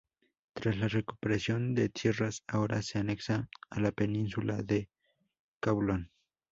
Tras la recuperación de tierras, ahora se anexa a la Península de Kowloon.